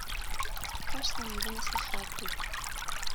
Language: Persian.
کاش زندگی مثل خواب بود